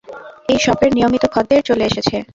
এই শপের নিয়মিত খদ্দের চলে এসেছে!